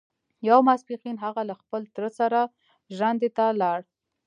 يو ماسپښين هغه له خپل تره سره ژرندې ته لاړ.